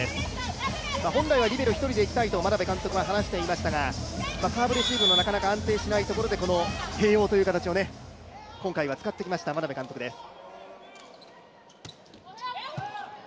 本来はリベロ１人でいきたいと眞鍋監督は話していましたがなかなかサーブレシーブが安定しないところで、併用という形を今回は使ってきました、眞鍋監督です。